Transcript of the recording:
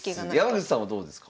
山口さんはどうですか？